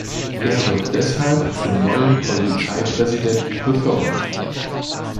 Er wird deshalb zum neuen Polizeipräsidenten befördert.